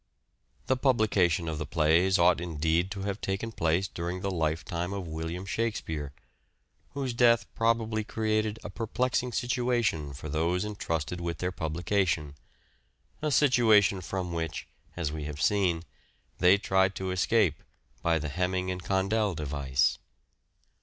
The publication of the plays ought indeed to have taken place during the lifetime of William Shakspere, whose death probably created a perplexing situation for those entrusted with their publication ; a situation from which, as we have seen, they tried to escape by the " Heming and Condell " device.